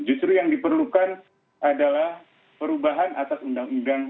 justru yang diperlukan adalah perubahan atas undang undang